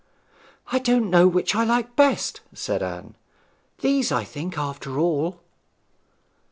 'I don't know which I like best,' said Anne. 'These, I think, after all.'